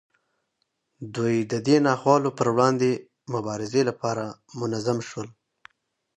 دوی د دې ناخوالو پر وړاندې مبارزې لپاره منظم شول.